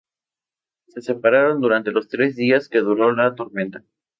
Se separaron durante los tres días que duró la tormenta.